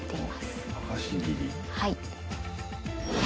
はい。